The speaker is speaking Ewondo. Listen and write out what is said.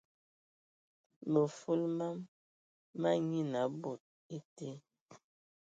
Mə fulu mam ma yian a bod été.